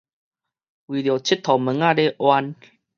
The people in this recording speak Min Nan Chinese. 為著 𨑨 迌物仔咧冤